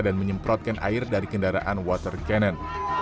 dan menyemprotkan air dari kendaraan water cannon